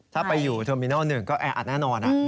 ถ้าไปอยู่เทอร์มินัลหนึ่งก็แออัดแน่นอน